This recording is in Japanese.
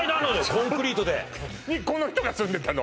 コンクリートでにこの人が住んでたの？